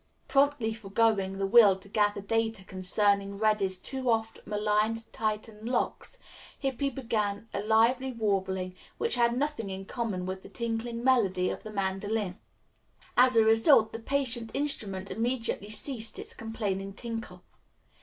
Promptly foregoing the will to gather data concerning Reddy's too oft maligned Titian locks, Hippy began a lively warbling which had nothing in common with the tinkling melody of the mandolin. As a result the patient instrument immediately ceased its complaining tinkle.